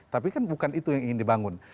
tapi kan bukan itu yang ingin dibangun